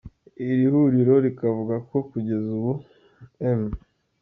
Iri huriro rikavuga ko kugeza ubu M.